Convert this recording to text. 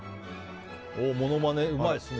ものまね、うまいですね。